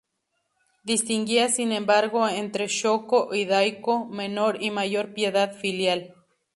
Distinguía, sin embargo, entre sho-kō y dai-kō: menor y mayor piedad filial.